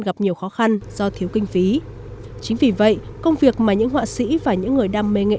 gặp nhiều khó khăn do thiếu kinh phí chính vì vậy công việc mà những họa sĩ và những người đam mê nghệ